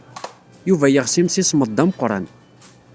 Yuba yeɣs imsismeḍ d ameqran.